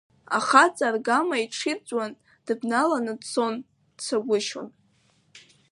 Ахаҵа аргама иҽирӡуан, дыбналаны дцон, дцагәышьон.